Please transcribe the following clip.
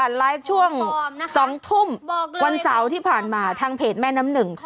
ไลฟ์ช่วง๒ทุ่มวันเสาร์ที่ผ่านมาทางเพจแม่น้ำหนึ่ง